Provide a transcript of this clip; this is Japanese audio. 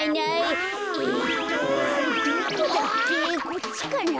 こっちかな？